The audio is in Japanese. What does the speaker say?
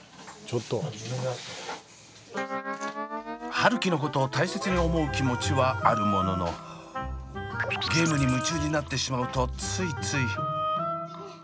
春輝のことを大切に思う気持ちはあるもののゲームに夢中になってしまうとついつい。